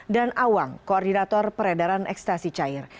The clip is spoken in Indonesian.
dan awang koordinator peredaran ekstasi cair